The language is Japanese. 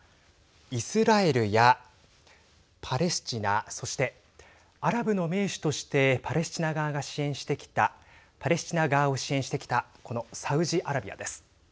イスラエルやパレスチナ、そしてアラブの盟主としてパレスチナ側を支援してきたこのサウジアラビアです。